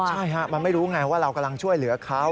ใช่ฮะมันไม่รู้ไงว่าเรากำลังช่วยเหลือเขา